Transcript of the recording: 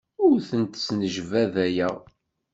Ur tent-snejbadayeɣ.